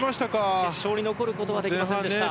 決勝に残ることができませんでした。